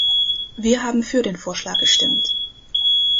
Wir haben für den Vorschlag gestimmt.